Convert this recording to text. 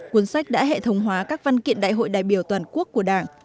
cuốn sách đã hệ thống hóa các văn kiện đại hội đại biểu toàn quốc của đảng